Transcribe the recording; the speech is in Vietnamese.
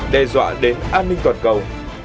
đe dọa đến an ninh toàn cầu